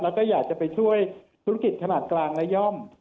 แล้วก็อยากจะไปช่วยธุรกิจขนาดกลางและย่อม